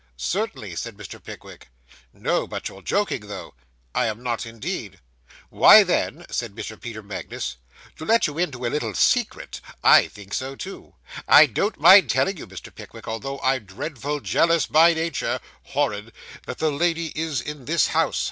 'Certainly,' said Mr. Pickwick. 'No; but you're joking, though.' 'I am not, indeed.' 'Why, then,' said Mr. Magnus, 'to let you into a little secret, I think so too. I don't mind telling you, Mr. Pickwick, although I'm dreadful jealous by nature horrid that the lady is in this house.